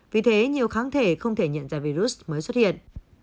vì thế nhiều kháng thể không thể nhận ra virus mới xuất hiện